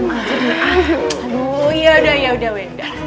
aduh yaudah yaudah wenda